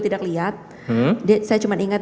tidak lihat saya cuma ingat